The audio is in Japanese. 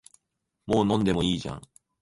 もう飲んでもいいじゃん